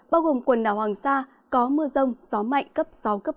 bao gồm quần đảo hoàng sa có mưa rông gió mạnh cấp sáu cấp tám